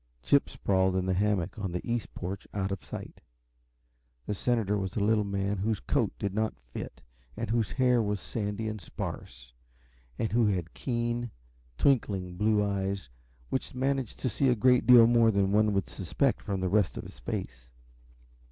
Chip sprawled in the hammock on the east porch, out of sight. The senator was a little man whose coat did not fit, and whose hair was sandy and sparse, and who had keen, twinkling blue eyes which managed to see a great deal more than one would suspect from the rest of his face.